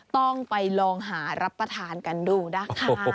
ต้องไปลองหารับประทานกันดูนะคะ